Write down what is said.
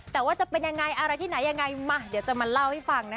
แต่ว่าจะเป็นยังไงอะไรที่ไหนยังไงมาเดี๋ยวจะมาเล่าให้ฟังนะคะ